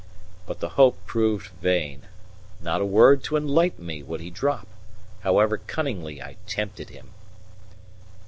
But the hope proved vain; not a word to enlighten me would he drop, however cunningly I tempted him.